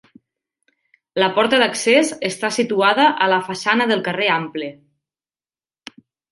La porta d'accés està situada a la façana del carrer Ample.